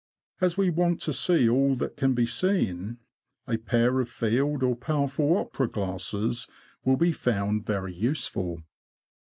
As we want to see all that can be seen, a pair of field or powerful opera glasses will be found very useful.